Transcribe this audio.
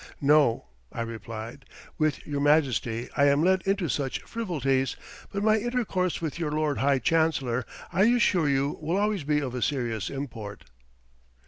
"No," I replied; "with Your Majesty I am led into such frivolities, but my intercourse with your Lord High Chancellor, I assure you, will always be of a serious import."